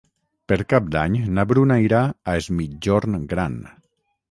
Per Cap d'Any na Bruna irà a Es Migjorn Gran.